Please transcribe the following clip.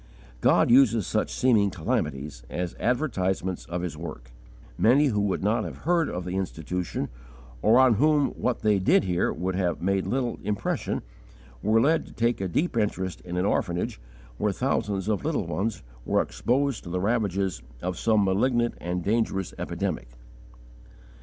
God uses such seeming calamities as 'advertisements' of His work; many who would not have heard of the Institution, or on whom what they did hear would have made little impression, were led to take a deep interest in an orphanage where thousands of little ones were exposed to the ravages of some malignant and dangerous epidemic.